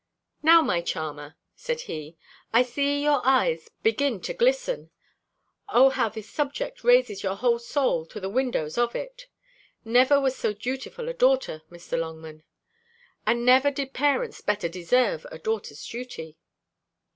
Now, my charmer," said he, "I see your eyes begin to glisten: O how this subject raises your whole soul to the windows of it! Never was so dutiful a daughter, Mr. Longman; and never did parents better deserve a daughter's duty."